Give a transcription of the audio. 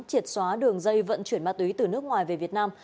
triệt xóa đường dây vận chuyển ma túy từ nước ngoài về việt nam